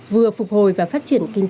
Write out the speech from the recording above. vừa phục hồi và phát triển kinh tế xã hội